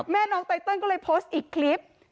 น้องไตเติลก็เลยโพสต์อีกคลิป